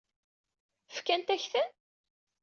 Fkant-ak-ten?